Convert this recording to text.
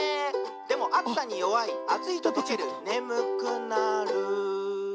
「でもあつさによわいあついととけるねむくなる」